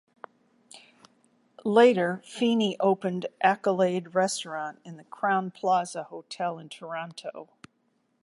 Later, Feenie opened Accolade Restaurant in the Crowne Plaza Hotel in Toronto.